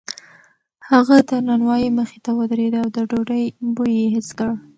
هغه د نانوایۍ مخې ته ودرېد او د ډوډۍ بوی یې حس کړ.